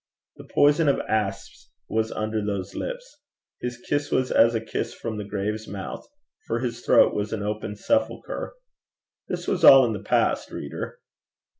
The poison of asps was under those lips. His kiss was as a kiss from the grave's mouth, for his throat was an open sepulchre. This was all in the past, reader.